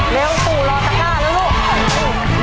เร็วปุโฒนรอตะกร่าแล้วลูก